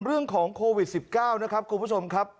เรื่องของโควิด๑๙นะครับคุณผู้ชมครับ